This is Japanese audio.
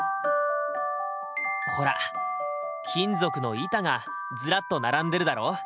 ほら金属の板がずらっと並んでるだろ？